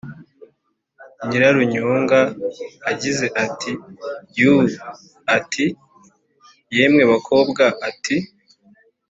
nyira runyonga agize ati yuuu, ati yemwe bakobwa, ati